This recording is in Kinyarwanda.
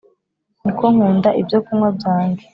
Niko nkunda ibyo kunywa byange